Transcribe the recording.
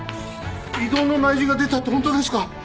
異動の内示が出たってホントですか？